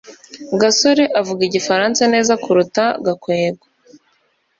gasore avuga igifaransa neza kuruta gakwego